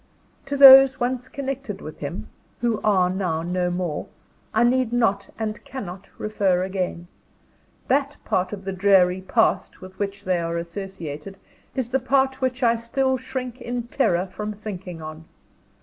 To those once connected with him, who are now no more, I need not and cannot refer again. That part of the dreary Past with which they are associated, is the part which I still shrink in terror from thinking on.